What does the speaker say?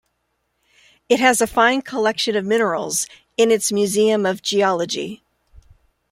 It has a fine collection of minerals in its museum of geology.